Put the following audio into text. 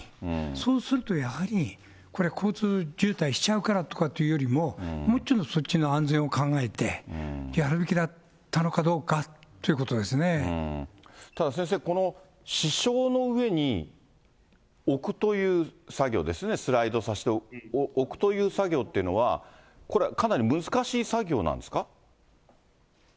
そうするとやはり、これ交通渋滞しちゃうからというよりも、もうちょっとそっちの安全を考えてやるべきだったのかどうかといただ先生、この支承の上に置くという作業ですね、スライドさせて置くという作業は、これはかなり難しい作業なんです